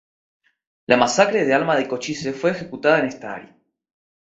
La masacre de Alma de Cochise fue ejecutada en esta área.